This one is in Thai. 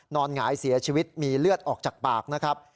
หงายเสียชีวิตมีเลือดออกจากปากนะครับ